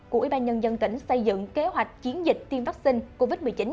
của ủy ban nhân dân tỉnh xây dựng kế hoạch chiến dịch tiêm vaccine covid một mươi chín